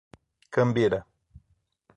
Cambira